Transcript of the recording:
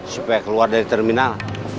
supaya keluar dari terminal